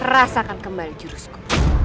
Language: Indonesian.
rasakan kembali jurusku